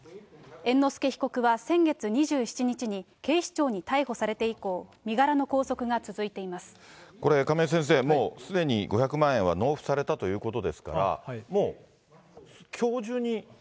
猿之助被告は先月２７日に警視庁に逮捕されて以降、身柄の拘束がこれ、亀井先生、もうすでに５００万円は納付されたということですから、もう、きょう中に。